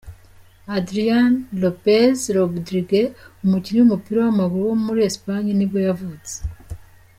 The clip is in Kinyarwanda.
Adrián López Rodríguez, umukinnyi w’umupira w’amaguru wo muri Espagne nibwo yavutse.